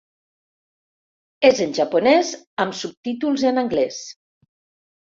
És en japonès amb subtítols en anglès.